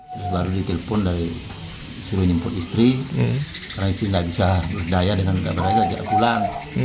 terus baru ditelepon dari seluruh input istri karena istri gak bisa berdaya dengan berada di atas jalan